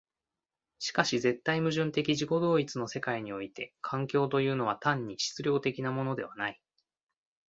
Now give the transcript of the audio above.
しかし絶対矛盾的自己同一の世界において環境というのは単に質料的なものではない。